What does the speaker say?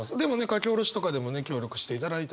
書き下ろしとかでもね協力していただいたり。